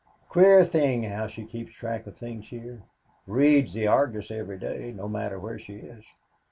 Queer thing how she keeps track of things here reads the Argus every day, no matter where she is.